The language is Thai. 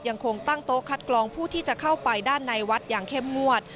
ยังคงตั้งโต๊ะคัดกรองผู้ที่จะเข้าไปด้านในวัดอย่างเข้มงวด